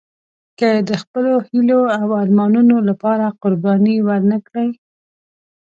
که د خپلو هیلو او ارمانونو لپاره قرباني ورنه کړئ.